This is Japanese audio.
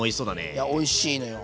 いやおいしいのよ。